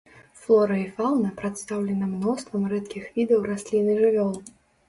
Флора і фаўна прадстаўлена мноствам рэдкіх відаў раслін і жывёл.